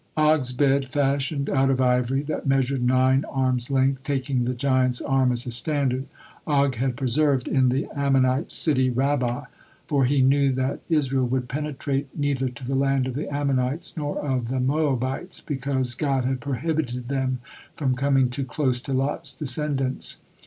Og's bed, fashioned out of ivory, that measured nine arms' length, taking the giant's arm as a standard, Og had preserved in the Ammonite city Rabbah, for he knew that Israel would penetrate neither to the land of the Ammonites nor of the Moabites, because God had prohibited them from coming too close to Lot's descendants.